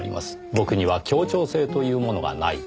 僕には協調性というものがないと。